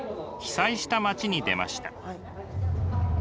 被災した街に出ました。